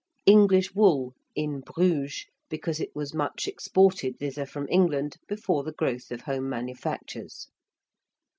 ~English wool~ in Bruges, because it was much exported thither from England before the growth of home manufactures.